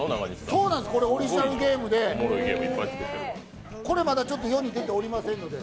そうなんです、オリジナルゲームで、これまだ世に出ておりませんので。